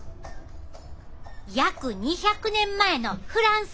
約２００年前のフランスや！